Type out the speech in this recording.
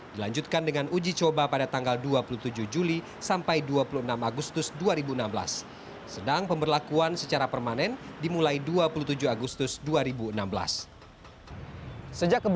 dilanjutkan dengan uji coba pada tanggal dua puluh tujuh juli sampai dua puluh enam agustus dua ribu enam belas